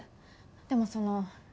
でもその。